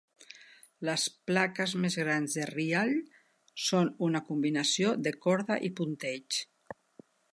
Les plaques més grans de Ryall són una combinació de corda i punteig.